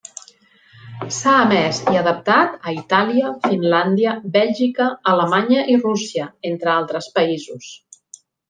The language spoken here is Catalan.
S'ha emès i adaptat a Itàlia, Finlàndia, Bèlgica, Alemanya i Rússia, entre altres països.